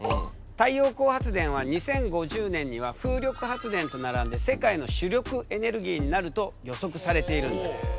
太陽光発電は２０５０年には風力発電と並んで世界の主力エネルギーになると予測されているんだ。